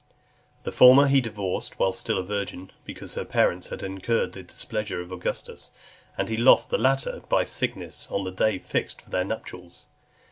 The former he divorced while still a virgin, because her parents had incurred the displeasure of Augustus; and he lost the latter by sickness on the day fixed for their nuptials.